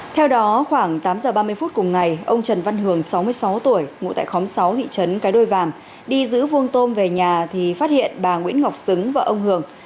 theo đó khoảng tám giờ ba mươi phút cùng ngày ông trần văn hường sáu mươi sáu tuổi ngụ tại khóm sáu thị trấn cái đôi vàm đi giữ vuông tôm về nhà thì phát hiện bà nguyễn ngọc xứng và ông hường